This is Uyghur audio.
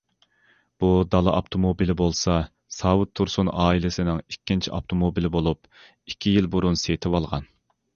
بۇ دالا ئاپتوموبىلى بولسا ساۋۇت تۇرسۇن ئائىلىسىنىڭ ئىككىنچى ئاپتوموبىلى بولۇپ، ئىككى يىل بۇرۇن سېتىۋالغان.